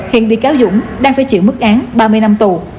hiện bị cáo dũng đang phải chịu mức án ba mươi năm tù